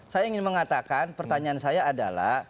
saya ingin mengatakan pertanyaan saya adalah